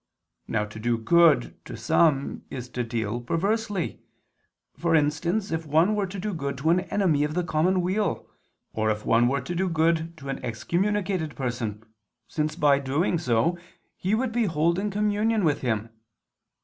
Now to do good to some is to deal perversely: for instance if one were to do good to an enemy of the common weal, or if one were to do good to an excommunicated person, since, by doing so, he would be holding communion with him.